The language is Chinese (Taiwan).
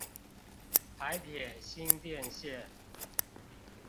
臺鐵新店線